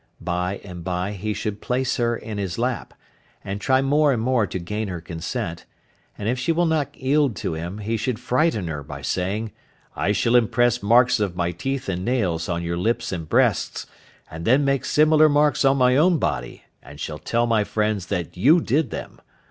By and bye he should place her in his lap, and try more and more to gain her consent, and if she will not yield to him he should frighten her by saying, "I shall impress marks of my teeth and nails on your lips and breasts, and then make similar marks on my own body, and shall tell my friends that you did them.